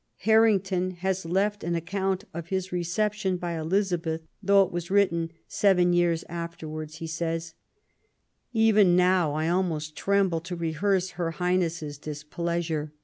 Harrington has left an account of his reception by Elizabeth ; though it was LAST YEARS OF ELIZABETH. 287 written seven years afterwards, he says: "Even now I almost tremble to rehearse Her Highness's displeasure.